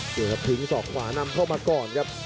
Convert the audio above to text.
นี่ครับทิ้งศอกขวานำเข้ามาก่อนครับ